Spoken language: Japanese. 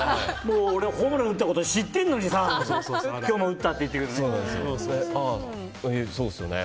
俺、ホームラン打ったこと知ってんのにさ今日も打ったって言ってくるね。